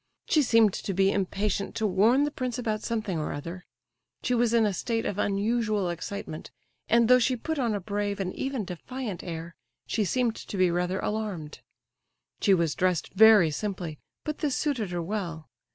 She seemed to be impatient to warn the prince about something or other. She was in a state of unusual excitement, and though she put on a brave and even defiant air, she seemed to be rather alarmed. She was dressed very simply, but this suited her well.